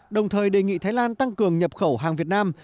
đồng thời đề nghị thái lan tăng cường nhập khẩu hàng việt nam